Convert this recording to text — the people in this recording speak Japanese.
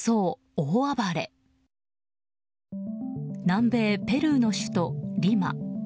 南米ペルーの首都リマ。